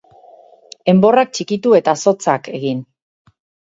Enborrak txikitu eta zotzak egin.